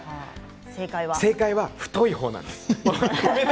正解は太い方なんです。